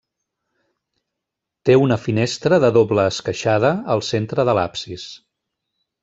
Té una finestra de doble esqueixada al centre de l'absis.